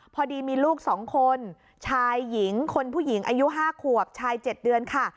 พอดีมีลูก๒คนชายหญิงคนผู้หญิงอายุ๕ขวบชาย๗เดือนค่ะ